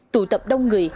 tụ tập đông người